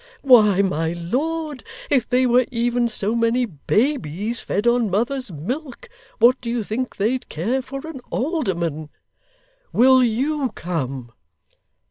Why, my lord, if they were even so many babies, fed on mother's milk, what do you think they'd care for an alderman! Will YOU come?